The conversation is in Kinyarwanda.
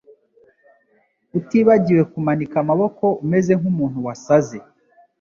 utibagiwe kumanika amaboko umeze nk'umuntu wasaze.